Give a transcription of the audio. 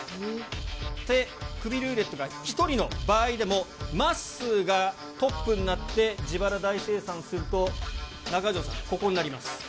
で、クビルーレットが１人の場合でも、まっすーがトップになって、自腹大精算すると、中条さん、ここになります。